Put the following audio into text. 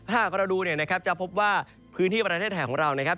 หากเราดูเนี่ยนะครับจะพบว่าพื้นที่ประเทศไทยของเรานะครับ